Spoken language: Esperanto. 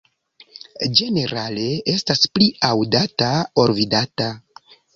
Ĝenerale estas pli aŭdata ol vidata.